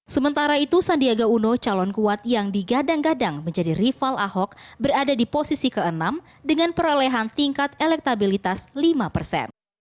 sementara itu sandiaga uno calon kuat yang digadang gadang menjadi rival ahok berada di posisi ke enam dengan perolehan tingkat elektabilitas lima persen